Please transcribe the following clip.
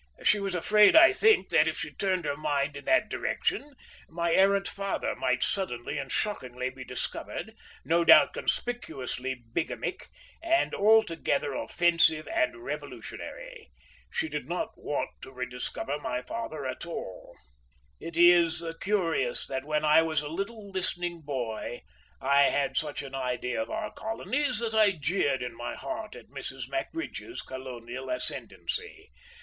She was afraid, I think, that if she turned her mind in that direction my errant father might suddenly and shockingly be discovered, no doubt conspicuously bigamic and altogether offensive and revolutionary. She did not want to rediscover my father at all. It is curious that when I was a little listening boy I had such an idea of our colonies that I jeered in my heart at Mrs. Mackridge's colonial ascendancy.